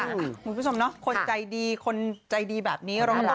คุณผู้ชมเนาะคนใจดีคนใจดีแบบนี้รอรับ